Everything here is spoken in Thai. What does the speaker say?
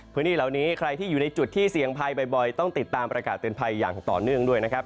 พื้นที่เหล่านี้ใครที่อยู่ในจุดที่เสี่ยงภัยบ่อยต้องติดตามประกาศเตือนภัยอย่างต่อเนื่องด้วยนะครับ